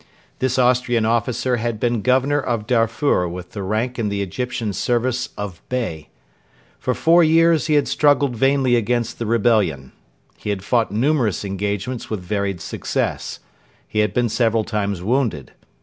This Austrian officer had been Governor of Darfur with the rank in the Egyptian service of Bey. For four years he had struggled vainly against the rebellion. He had fought numerous engagements with varied success. He had been several times wounded.